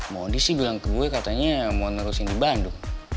modi sih bilang ke gue katanya mau nerusin di bandung